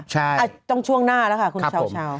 ใช่ต้องช่วงหน้าแล้วค่ะคุณเช้า